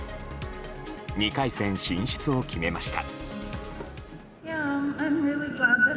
２回戦進出を決めました。